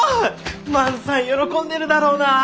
万さん喜んでるだろうな！